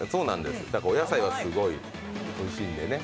お野菜がすごいおいしいんでね。